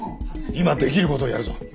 今できることをやるぞ。